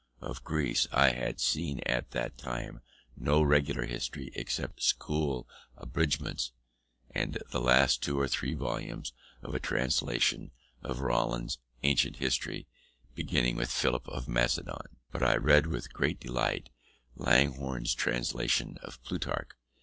Of Greece I had seen at that time no regular history, except school abridgments and the last two or three volumes of a translation of Rollin's Ancient History, beginning with Philip of Macedon. But I read with great delight Langhorne's translation of Plutarch.